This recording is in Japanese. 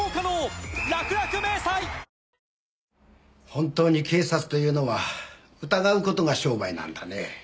本当に警察というのは疑う事が商売なんだねぇ。